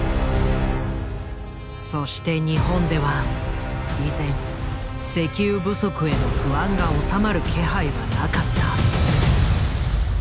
そして日本では依然石油不足への不安が収まる気配はなかった。